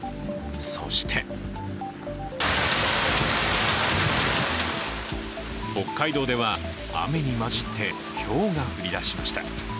そして北海道では雨に交じってひょうが降り出しました。